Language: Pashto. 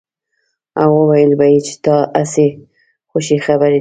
او ويل به يې چې دا هسې خوشې خبرې دي.